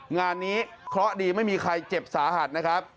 งานนี้เคราะห์ดีไม่มีใครเจ็บสาหัสนะครับ